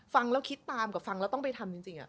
ฟังแล้วคิดตามกับฟังแล้วต้องไปทำจริง